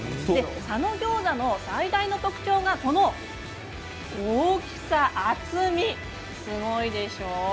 佐野餃子の最大の特徴がこの大きさ、厚みすごいでしょう。